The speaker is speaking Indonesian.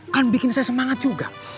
kan bikin saya semangat juga